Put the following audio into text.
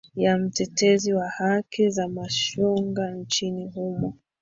ya mtetezi wa haki za mashoga nchini humo